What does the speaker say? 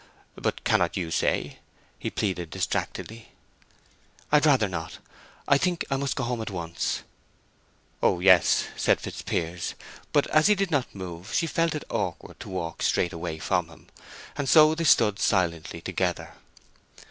"But cannot you say?" he pleaded, distractedly. "I'd rather not—I think I must go home at once." "Oh yes," said Fitzpiers. But as he did not move she felt it awkward to walk straight away from him; and so they stood silently together.